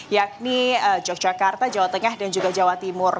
yakni yogyakarta jawa tengah dan juga jawa timur